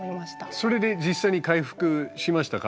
それで実際に回復しましたか？